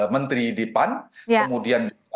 menteri di pan kemudian